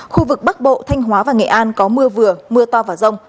khu vực bắc bộ thanh hóa và nghệ an có mưa vừa mưa to và rông